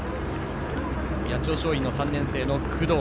八千代松陰３年生の工藤。